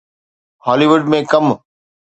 هالي wood ۾ ڪم